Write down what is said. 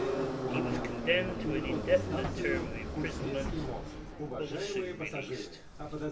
He was condemned to an indefinite term of imprisonment, but was soon released.